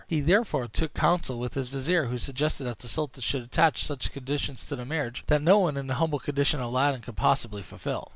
He therefore took counsel with his vizier, who suggested that the sultan should attach such conditions to the marriage that no one in the humble condition of Aladdin could possibly fulfil.